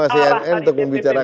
yang salah dari beberapa karya